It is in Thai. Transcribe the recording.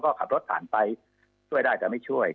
ก็ขับรถผ่านไปช่วยได้แต่ไม่ช่วย